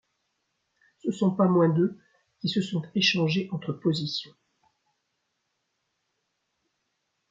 Ce sont pas moins de qui se sont échangés entre positions.